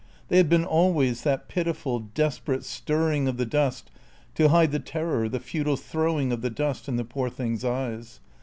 They had been always that pitiful, desperate stirring of the dust to hide the terror, the futile throwing of the dust in the poor thing's eyes.